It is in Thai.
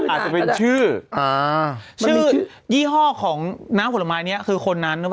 อาจจะเป็นชื่อชื่อยี่ห้อของน้ำผลไม้นี้คือคนนั้นหรือเปล่า